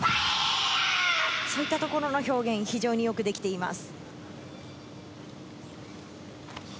そういったところの表現、非常によくできています。